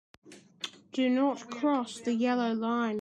Do not cross the yellow line.